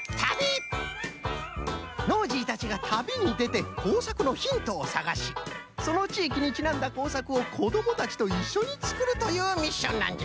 ノージーたちが旅にでて工作のヒントを探しその地域にちなんだ工作を子どもたちといっしょにつくるというミッションなんじゃ。